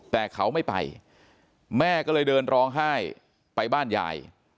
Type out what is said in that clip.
แต่เขาไม่ไปแม่ก็เลยเดินร้องไห้ไปบ้านยาย